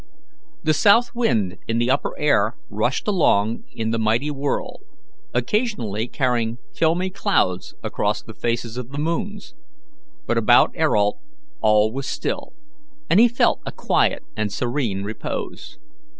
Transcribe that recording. The South wind in the upper air rushed along in the mighty whirl, occasionally carrying filmy clouds across the faces of the moons; but about Ayrault all was still, and he felt a quiet and serene repose.